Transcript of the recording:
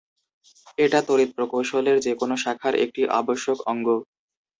এটা তড়িৎ প্রকৌশলের যে কোনো শাখার একটি আবশ্যক অঙ্গ।